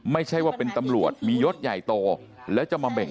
ไม่ใช่ว่าเป็นตำรวจมียศใหญ่โตแล้วจะมาเบ่ง